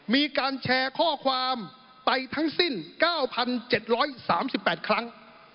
มีการแชร์ข้อความไปทั้งสิ้นเก้าพันเจ็ดร้อยสามสิบแปดครั้ง